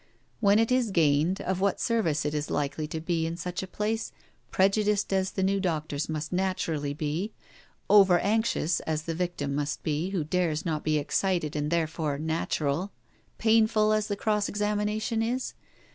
When it is gained, of what service is it likely to be in such a place, prejudiced as the new doctors must naturally be, over anxious as the victim must be, who dares not be excited, and therefore natural, painful as the cross examination is?